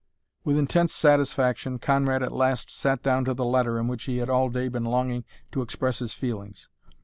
With intense satisfaction Conrad at last sat down to the letter in which he had all day been longing to express his feelings.